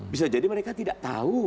bisa jadi mereka tidak tahu